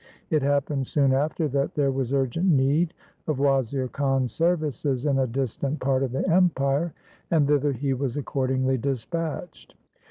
It happened soon after, that there was urgent need of Wazir Khan's services in a distant part of the empire, and thither he was accordingly dispatched.